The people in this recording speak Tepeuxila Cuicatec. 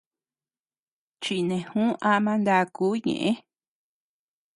Chineju ama ndakuu ñeʼe.